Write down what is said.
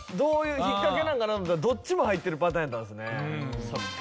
引っかけなのかなと思ったらどっちも入ってるパターンやったんですね。